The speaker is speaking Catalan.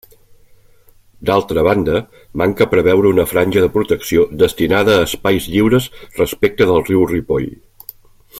D'altra banda, manca preveure una franja de protecció destinada a espais lliures respecte del riu Ripoll.